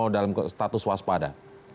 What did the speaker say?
atau dalam status waspada